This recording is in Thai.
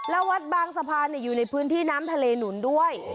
แล้ววัดบางสะพานอยู่ในพื้นที่น้ำทะเลหนุนด้วย